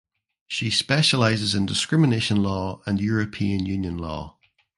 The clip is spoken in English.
She specialises in discrimination law and European Union law.